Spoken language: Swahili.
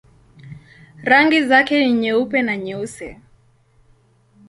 Rangi zake ni nyeupe na nyeusi.